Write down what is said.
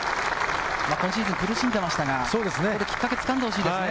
今シーズン苦しんでましたが、きっかけを掴んでほしいですね。